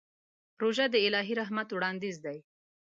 روژه د الهي رحمت وړاندیز دی.